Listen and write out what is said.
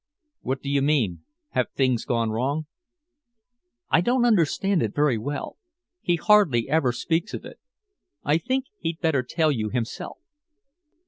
"What do you mean? Have things gone wrong?" "I don't understand it very well. He hardly ever speaks of it. I think he'd better tell you himself."